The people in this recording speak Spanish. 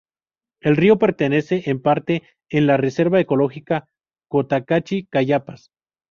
El río pertenece, en parte, en la Reserva ecológica Cotacachi-Cayapas.